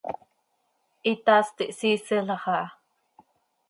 Hitaast ihsiiselax aha.